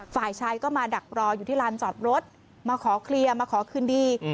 ฝ่ายชายก็มาดักรออยู่ที่ลานจอดรถมาขอเคลียร์มาขอคืนดี